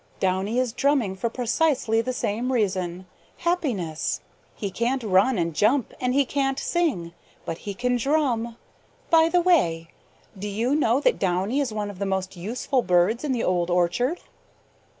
Downy is drumming for precisely the same reason happiness. He can't run and jump and he can't sing, but he can drum. By the way, do you know that Downy is one of the most useful birds in the Old Orchard?"